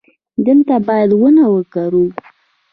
دلته باید ونه وکرو